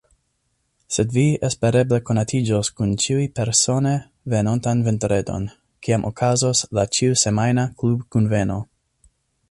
Sed vi espereble konatiĝos kun ĉiuj persone venontan vendredon, kiam okazos la ĉiusemajna klubkunveno.